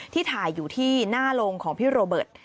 ถ่ายอยู่ที่หน้าโรงของพี่โรเบิร์ต